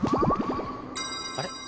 あれ？